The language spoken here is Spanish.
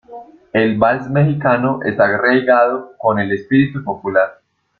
El vals mexicano está arraigado con el espíritu popular.